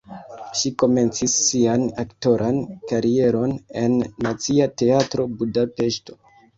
Ŝi komencis sian aktoran karieron en Nacia Teatro (Budapeŝto).